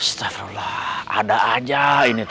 astagfirullah ada aja ini tuh aduh